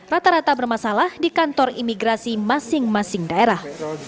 rata rata bermasalah di kantor imigrasi masing masing daerah